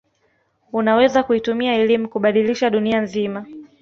unaweza kuitumia elimu kubadilisha dunia nzima